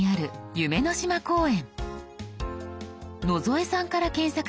「夢の島公園」。